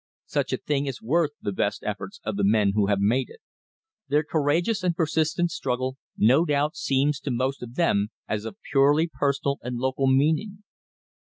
Such a thing is worth the best efforts of the men who have made it. Their courageous and persistent struggle no doubt seems to most of them as of purely personal and local meaning.